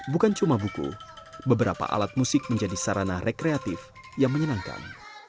bukan cuma buku beberapa alat musik menjadi sarana rekreatif yang menyenangkan